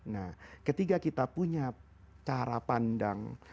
nah ketika kita punya cara pandang